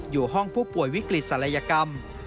อยู่ห้องผู้ป่วยวิกฤตศัลยกรรม